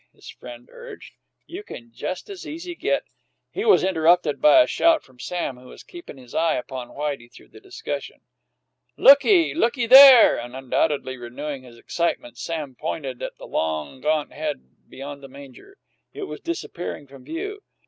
his friend urged. "You can just as easy get " He was interrupted by a shout from Sam, who was keeping his eye upon Whitey throughout the discussion. "Look! Looky there!" And undoubtedly renewing his excitement, Sam pointed at the long, gaunt head beyond the manger. It was disappearing from view.